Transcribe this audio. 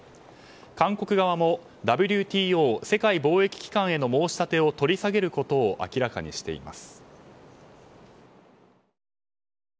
韓国側もＷＴＯ・世界貿易機関への申し立てを取り下げることを明らかにしています。